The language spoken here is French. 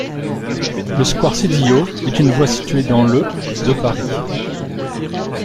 Le square Sédillot est une voie située dans le de Paris.